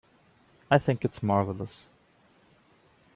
I think it's marvelous.